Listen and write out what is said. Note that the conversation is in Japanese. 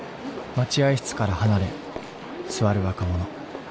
待合室から離れ座る若者。